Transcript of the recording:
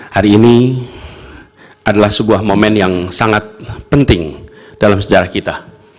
hari ini adalah sebuah momen yang sangat penting dalam sejarah kita